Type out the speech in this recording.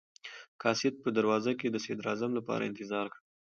قاصد په دروازه کې د صدراعظم لپاره انتظار کاوه.